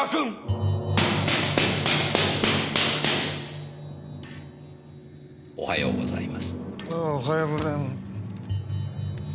あぁおはようございます。